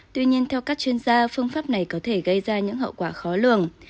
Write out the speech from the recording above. tuy nhiên theo các chuyên gia phương pháp này có thể gây ra những hậu quả khó lường